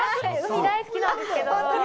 海、大好きなんですけど。